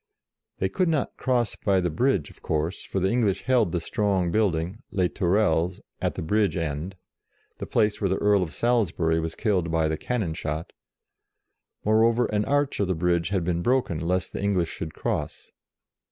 They could not cross by the bridge, of course, for the English held the strong building, Les Tourelles, at the bridge end, the place where the Earl of Salisbury was killed by the cannon shot ; moreover an arch of the bridge had been broken, lest the English should cross.